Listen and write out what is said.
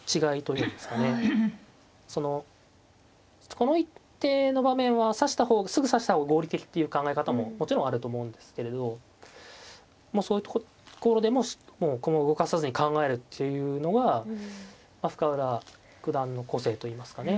この一手の場面はすぐ指した方が合理的っていう考え方ももちろんあると思うんですけれどそういうところでももう駒を動かさずに考えるっていうのは深浦九段の個性といいますかね。